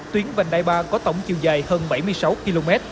tuyến vành đai ba có tổng chiều dài hơn bảy mươi sáu km